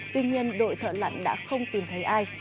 tuy nhiên đội thợ lặn đã không tìm thấy ai